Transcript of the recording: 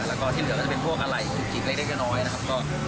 แล้วก็ที่เหลือก็จะเป็นพวกอะไรจุกจิกเล็กน้อยนะครับ